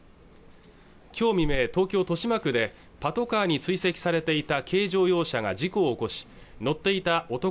きょう未明東京・豊島区でパトカーに追跡されていた軽乗用車が事故を起こし乗っていた男